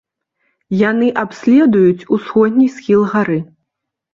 Яны абследуюць усходні схіл гары.